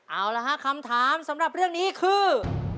เอาละฮะคำถามสำหรับเรื่องนี้คือ